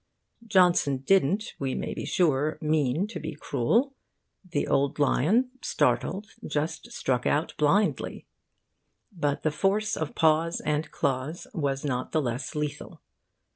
Johnson didn't, we may be sure, mean to be cruel. The old lion, startled, just struck out blindly. But the force of paw and claws was not the less lethal.